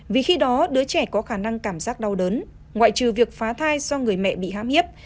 vì khi đó đứa trẻ có khả năng cảm giác đau đớn ngoại trừ việc phá thai do người mẹ bị hãm hiếp